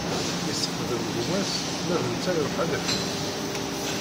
Isexdem gma-s, ma d netta iṛuḥ ad iḥewwes.